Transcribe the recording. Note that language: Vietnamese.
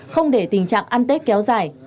không để tình trạng ăn tết kéo dài